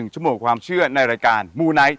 ชั่วโมงความเชื่อในรายการมูไนท์